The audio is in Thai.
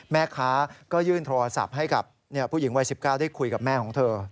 แม่ค้าก็ยื่นโทรศัพท์ให้กับผู้หญิงวัย๑๙ได้คุยกับแม่ของเธอ